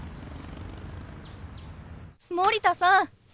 森田さん